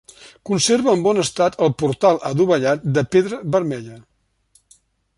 Conserva en bon estat el portal adovellat de pedra vermella.